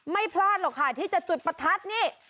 ไม่พลาดหรอกค่ะที่จะจุดประทัดนี่